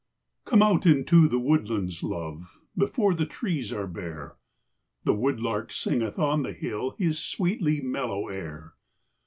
COME out into the woodlands, love, Before the trees are bare ; The woodlark singeth on the hill His sweetly mellow air.